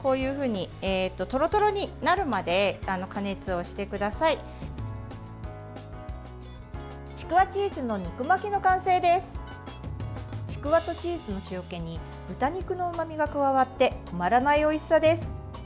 ちくわとチーズの塩気に豚肉のうまみが加わって止まらないおいしさです。